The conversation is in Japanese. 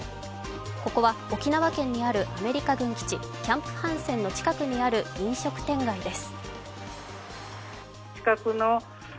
ここは沖縄県にあるアメリカ軍基地キャンプ・ハンセンの近くにある飲食店街です。